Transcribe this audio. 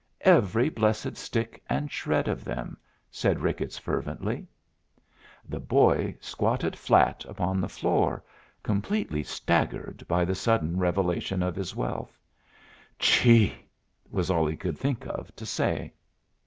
"Every blessed stick and shred of them," said Ricketts fervently. The boy squatted flat upon the floor, completely staggered by the sudden revelation of his wealth. "Chee!" was all he could think of to say.